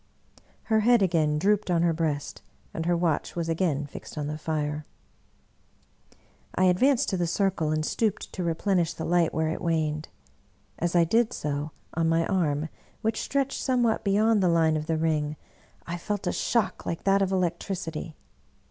Her head again drooped on her breast, and her watch was again fixed on the fire. I advanced to the circle and stooped to replenish the light where it waned. As I did so, on my arm, which stretched somewhat beyond the line of the ring, I felt a shock Uke that of electricity.